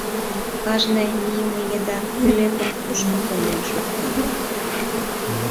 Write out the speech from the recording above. Кажне мийыме еда пӧлекым кушко конден шукта.